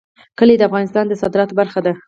کلي د افغانستان د صادراتو برخه ده.